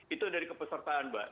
itu dari kepesertaan mbak